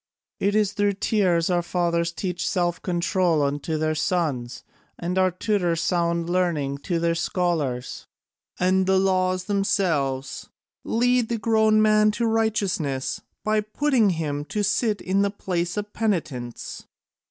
It is through tears our fathers teach self control unto their sons, and our tutors sound learning to their scholars, and the laws themselves lead the grown man to righteousness by putting him to sit in the place of penitence.